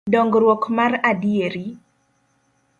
Dongruok mar adieri